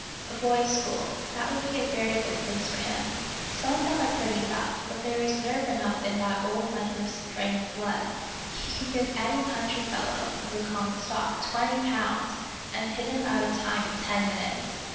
A boys' school, that would be a very good place for him; some of them are pretty rough, but there is nerve enough in that old Wentworth strain of blood; he can give any country fellow, of the common stock, twenty pounds, and hit him out of time in ten minutes.